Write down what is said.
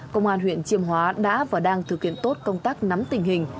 công an huyện chiêm hóa đã và đang thực hiện tốt công tác nắm tình hình